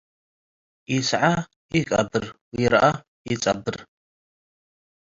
ኢሰዐ ኢቀብር ወኢርአ ኢጸብር።